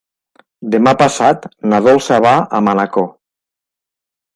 Demà passat na Dolça va a Manacor.